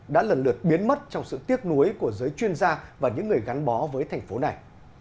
đã lần lượt biến mất trong sự tiếc nuối của giới chuyên gia và những người gắn bó với thành phố này